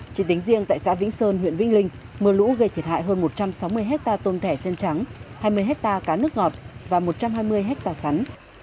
chỉ tính riêng tại xã vĩnh sơn huyện vĩnh linh mưa lũ gây thiệt hại hơn một trăm sáu mươi hectare tôm thẻ chân trắng hai mươi hectare cá nước ngọt và một trăm hai mươi hectare sắn